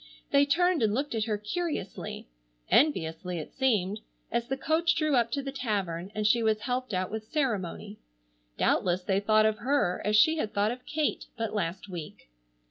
They turned and looked at her curiously, enviously it seemed, as the coach drew up to the tavern and she was helped out with ceremony. Doubtless they thought of her as she had thought of Kate but last week.